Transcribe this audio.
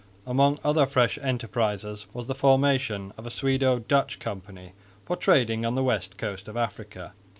Among other fresh enterprises was the formation of a Swedo Dutch Company for trading on the West Coast of Africa.